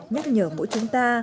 nhắc nhở mỗi chúng ta